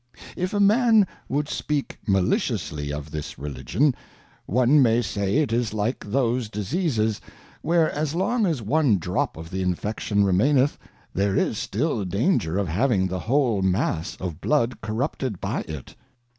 if a Man^buld speak Maliciously of this Religion, one may , say it is like those Diseases, where as long as one dropT)f ther infection remaineth, there is still danger of having the whole . Mass of Blood corrupted by it.